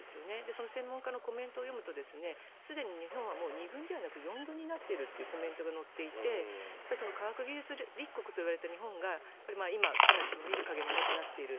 その専門家のコメントを読むとすでに日本は２軍ではなく４軍になっているというコメントが載っていて科学技術立国といわれた日本が今、かなり見る影もなくなっている。